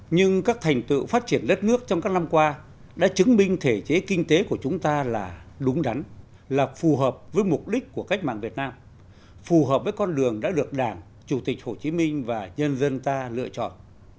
nhưng các thành tựu phát triển đất nước trong các năm qua đã chứng minh thể chế kinh tế của chúng ta là đúng đắn là phù hợp với mục đích của cách mạng việt nam phù hợp với con đường đã được đảng chủ tịch hồ chí minh và nhân dân ta lựa chọn